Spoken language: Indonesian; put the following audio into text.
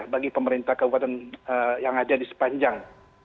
bagi pemerintah kabupaten yang ada di sepanjang